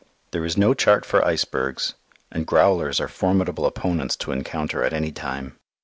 There is no chart for icebergs, and "growlers" are formidable opponents to encounter at any time.